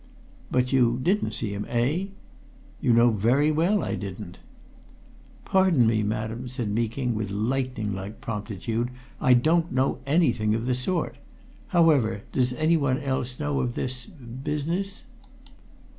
"But you didn't see him, eh?" "You know very well I didn't!" "Pardon me, madam," said Meeking with lightning like promptitude. "I don't know anything of the sort! However, does anyone else know of this business?"